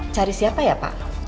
cari siapa ya pak